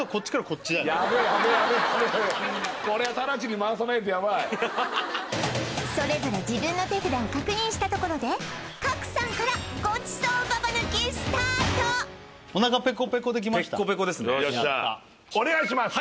これはそれぞれ自分の手札を確認したところで賀来さんからごちそうババ抜きスタートよっしゃお願いします